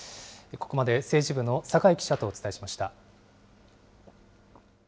ここまで政治部の坂井記者とお伝えしました。